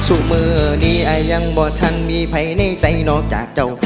เมื่อนี้ยังบ่ฉันมีภัยในใจนอกจากเจ้า